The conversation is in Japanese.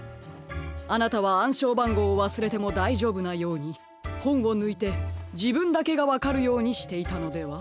あなたはあんしょうばんごうをわすれてもだいじょうぶなようにほんをぬいてじぶんだけがわかるようにしていたのでは？